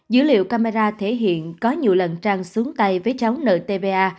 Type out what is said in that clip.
dữ liệu camera thể hiện có nhiều lần trang xuống tay với cháu nợ tva